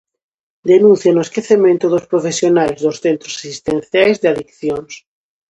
Denuncian o esquecemento dos profesionais dos centros asistenciais de adiccións.